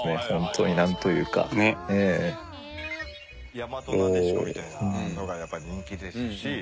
大和撫子みたいなのがやっぱり人気ですし。